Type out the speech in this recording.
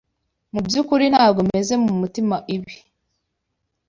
Mubyukuri ntabwo meze mumutima ibi.